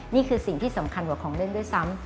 นี่คือสิ่งที่สำคัญกว่าของเล่นด้วยซ้ำ